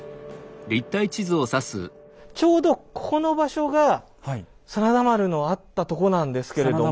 ちょうどここの場所が真田丸のあったとこなんですけれども。